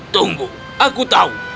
tunggu aku tahu